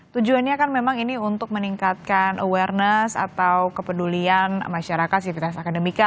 tujuannya kan memang ini untuk meningkatkan awareness atau kepedulian masyarakat sivitas akademika